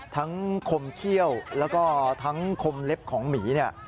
คมเขี้ยวแล้วก็ทั้งคมเล็บของหมีเนี่ย